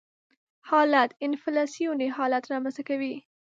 حالت انفلاسیوني حالت رامنځته کوي.